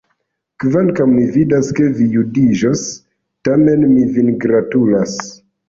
Kvankam mi vidas, ke vi judiĝos, tamen mi vin gratulas.